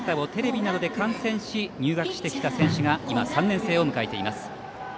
その姿をテレビなどで観戦し入学してきた選手が今、３年生を迎えています。